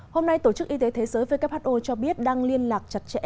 hôm nay tổ chức y tế thế giới who cho biết đang liên lạc chặt chẽ